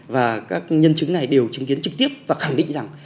và các nhân chứng này đều chứng kiến trực tiếp và khẳng định rằng